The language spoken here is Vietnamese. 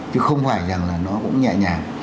chứ không phải rằng là nó cũng nhẹ nhàng